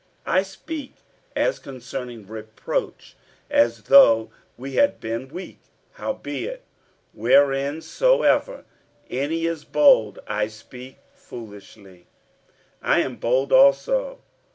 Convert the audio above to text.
47:011:021 I speak as concerning reproach, as though we had been weak. Howbeit whereinsoever any is bold, (I speak foolishly,) I am bold also.